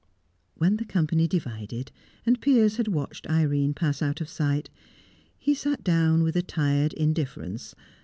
When the company divided, and Piers had watched Irene pass out of sight, he sat down with a tired indifference.